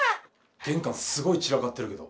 玄関すごい散らかってるけど。